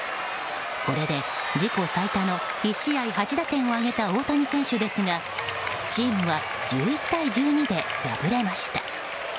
これで自己最多の１試合８打点を挙げた大谷選手ですがチームは１１対１２で敗れました。